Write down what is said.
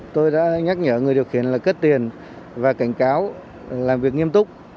tôi đã nhắc nhở người điều khiển là cất tiền và cảnh cáo làm việc nghiêm túc